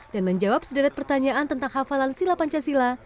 dan menjawab sederet pertanyaan tentang hafalan sila pancasila